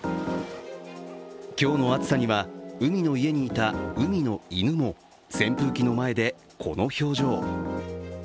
今日の暑さには、海の家にいた海の犬も、扇風機の前でこの表情。